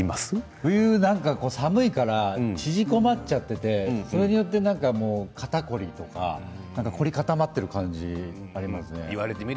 冬、寒いから縮こまっちゃっていてそれによって肩凝りとか凝り固まっている感じありますね。